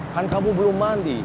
kan kamu belum mandi